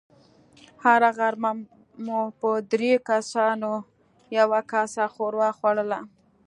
هره غرمه مو په دريو کسانو يوه کاسه ښوروا خوړله.